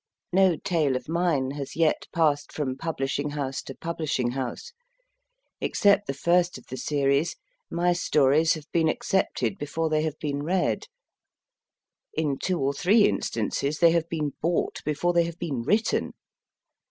No tale of mine has yet passed from publishing house to publishing house. Except the first of the series, my stories have been accepted before they have been read. In two or three instances they have been bought before they have been written.